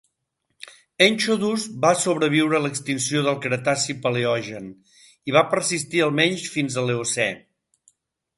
"Enchodus" va sobreviure l'extinció del Cretaci-Paleogen i va persistir almenys fins a l'Eocè.